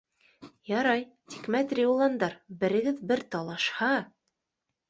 - Ярай, тик мәтри, уландар, берегеҙ бер талашһа.